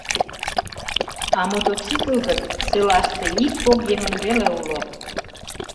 А мотоцикл гын, селаште ик-кок еҥын веле уло.